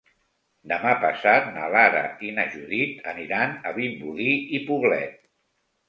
Demà passat na Lara i na Judit aniran a Vimbodí i Poblet.